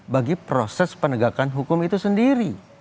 bagi proses penegakan hukum itu sendiri